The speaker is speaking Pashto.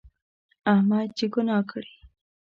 احمد چې ګناه کړي،